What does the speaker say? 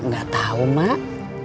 gak tahu mak